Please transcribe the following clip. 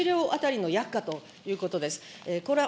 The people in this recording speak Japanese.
１医療当たりの薬価ということです。